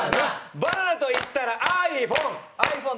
バナナといったらｉＰｈｏｎｅ。